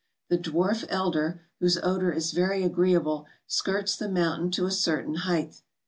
The dwarf elder, whose odour is very agreeable, skirts the moun¬ tain to a certain height.